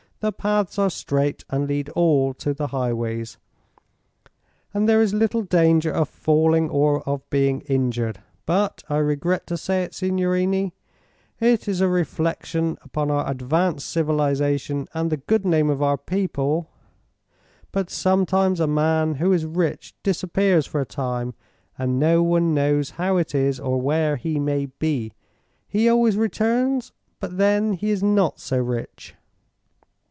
"The paths are straight, and lead all to the highways. And there is little danger of falling or of being injured. But I regret to say it, signorini it is a reflection upon our advanced civilization and the good name of our people but sometimes a man who is rich disappears for a time, and no one knows how it is, or where he may be. He always returns; but then he is not so rich."